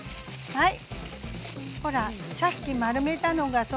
はい。